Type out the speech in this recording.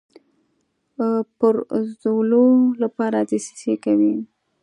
پرزولو لپاره دسیسې کوي.